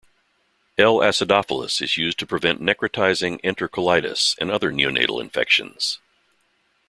"L. acidophilus" is used to prevent necrotizing entercolitis and other neonatal infections.